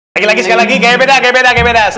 lagi lagi kayaknya beda beda satu dua tiga